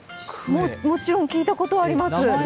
もちろん聞いたことはあります。